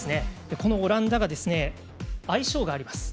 このオランダが愛称があります。